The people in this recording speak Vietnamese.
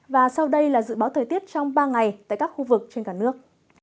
và sau đây là dự báo thời tiết trong ba ngày tại các khu vực trên cả nước